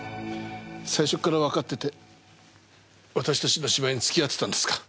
最初からわかってて私たちの芝居に付き合ってたんですか？